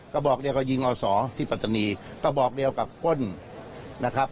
ก็บอกเรียกแล้วก็ยิงออสอที่ปัตตานีก็บอกเรียกแล้วกับป้นนะครับ